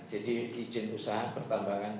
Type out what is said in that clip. jadi ijin usaha pertambangan